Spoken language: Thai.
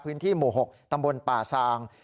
พื้นที่หมู่๖ตำบลป่าซาง